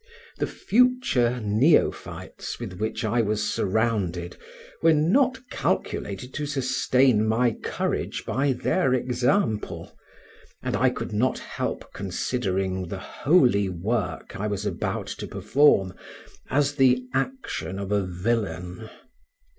The future neophytes with which I was surrounded were not calculated to sustain my courage by their example, and I could not help considering the holy work I was about to perform as the action of a villain.